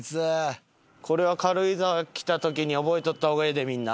これは軽井沢来た時に覚えとった方がええでみんな。